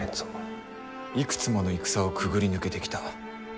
いくつもの戦をくぐり抜けてきた固い固い一丸。